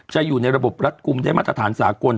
อยู่ในระบบรัฐกลุ่มได้มาตรฐานสากล